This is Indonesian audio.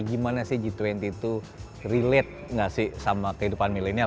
bagaimana g dua puluh itu relate tidak sih sama kehidupan milenial